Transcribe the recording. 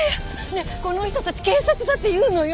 ねえこの人たち警察だって言うのよ！